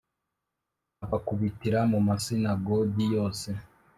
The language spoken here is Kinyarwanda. nkabakubitira mu masinagogi yose